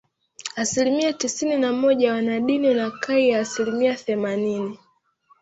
Asilimia tisini na moja wana dini na kai ya asilimia themanini